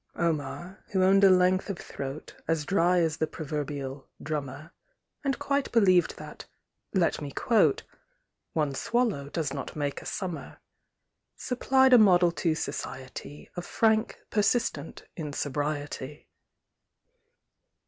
Omar, who owned a length of throat As dry as the proverbial "drummer," And quite believed that (let me quote) "One swallow does not make a summer," Supplied a model to society Of frank, persistent insobriety.